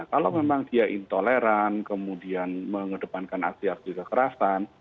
kalau memang dia intoleran kemudian mengedepankan aksi aksi kekerasan